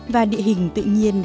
và địa hình tự nhiên